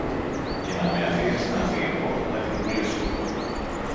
και να με αφήσεις να φύγω, να την πουλήσω